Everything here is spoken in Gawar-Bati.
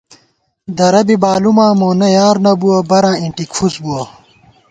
درہ بی بالُماں مونہ یار نہ بُوَہ، براں اِنٹِک فُس بُوَہ